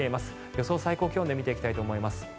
予想最高気温で見ていきたいと思います。